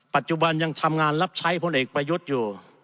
ปัจจุบันยังทำงานรับใช้พลเอกประยุทธ์อยู่